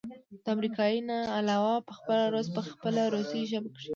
د امريکې نه علاوه پخپله روس په خپله روسۍ ژبه کښې